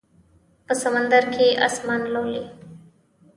په سمندر کې اسمان لولي